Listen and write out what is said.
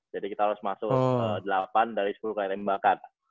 jadi kita harus masuk delapan dari sepuluh kali nembakan